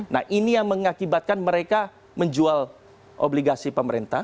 nah ini yang mengakibatkan mereka menjual obligasi pemerintah